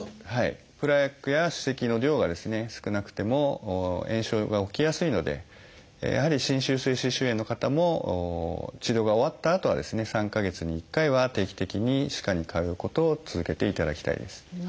プラークや歯石の量が少なくても炎症が起きやすいのでやはり侵襲性歯周炎の方も治療が終わったあとはですね３か月に１回は定期的に歯科に通うことを続けていただきたいです。